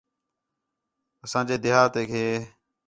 اسان٘ڄ دیہاتیک ہِے